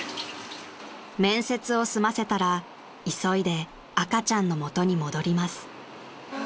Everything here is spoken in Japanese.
［面接を済ませたら急いで赤ちゃんの元に戻ります］